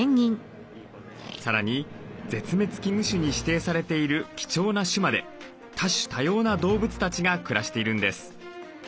さらに絶滅危惧種に指定されている貴重な種まで多種多様な動物たちが暮らしているんです。